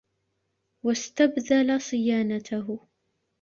وَاسْتَبْذَلَ صِيَانَتَهُ